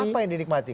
apa yang dinikmati